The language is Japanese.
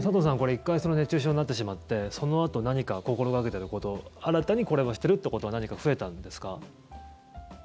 １回熱中症になってしまってそのあと何か心掛けていること新たにこれをしてるということは何か増えたんですか？